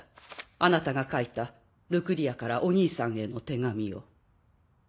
あなたが書いたルクリアからお兄さんへの手紙を。